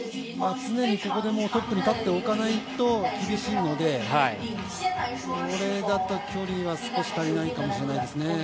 常にトップに立っておかないと厳しいのでこれだと距離は少し足りないかもしれないですね。